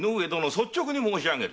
率直に申し上げる。